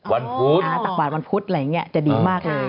วันพุธตักบาทวันพุธอะไรอย่างนี้จะดีมากเลย